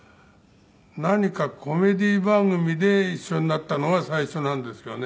何かコメディー番組で一緒になったのが最初なんですよね。